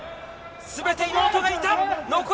全て、妹がいた。